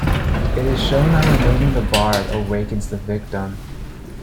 It is shown that removing the barb awakens the victim.